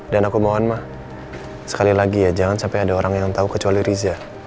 aku mohon mah sekali lagi ya jangan sampai ada orang yang tahu kecuali riza